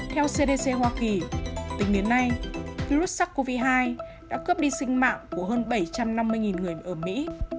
theo cdc hoa kỳ tính đến nay virus sars cov hai đã cướp đi sinh mạng của hơn bảy trăm năm mươi người ở mỹ